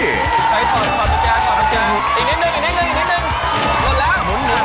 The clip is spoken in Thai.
ทนจ้าอีกนิดนึง